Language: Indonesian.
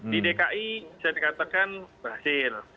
di dki bisa dikatakan berhasil